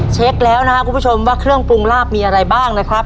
เช็คแล้วนะครับคุณผู้ชมว่าเครื่องปรุงลาบมีอะไรบ้างนะครับ